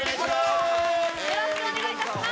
よろしくお願いします。